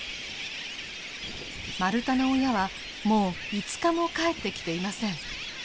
マルタの親はもう５日も帰ってきていません。